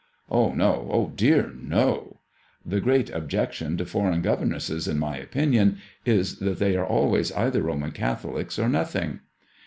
•'" Oh, no ! Oh, dear, no I •• "The great objection to foreign governesses, in my opinion, is that they are always either Roman Catholics or nothing."